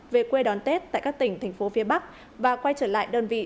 về quê đón tết tại các tỉnh thành phố phía bắc và quay trở lại đơn vị